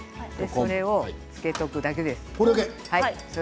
それを漬けておくだけです。